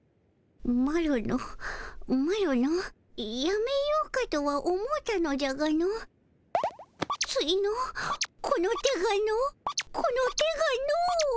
マロのマロのやめようかとは思うたのじゃがのついのこの手がのこの手がの。